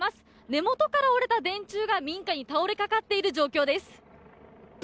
根元から折れた電柱が民家に倒れかかっている状況です。